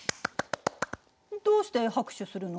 どうして拍手するの？